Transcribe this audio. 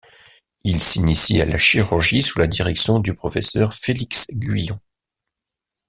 Il s'initie à la chirurgie sous la direction du professeur Félix Guyon.